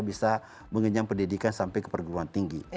bisa mengenyang pendidikan sampai keperluan tinggi